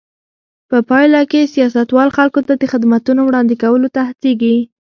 په پایله کې سیاستوال خلکو ته د خدمتونو وړاندې کولو ته هڅېږي.